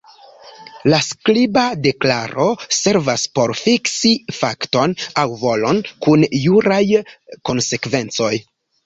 La skriba deklaro servas por fiksi fakton aŭ volon kun juraj konsekvencoj.